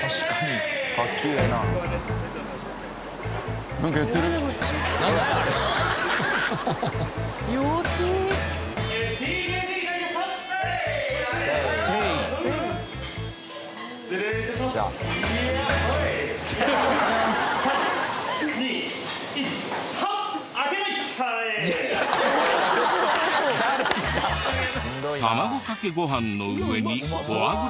卵かけご飯の上にフォアグラをトッピング。